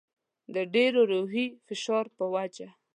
د ډېر روحي فشار په وجه.